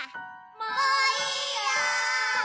もういいよ！